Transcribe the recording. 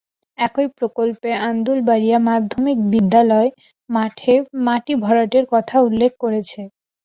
একই প্রকল্পে আন্দুলবাড়িয়া মাধ্যমিক বিদ্যালয় মাঠে মাটি ভরাটের কথা উল্লেখ রয়েছে।